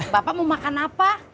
bapak mau makan apa